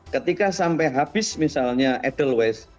ketika sampai habis misalnya edelweiss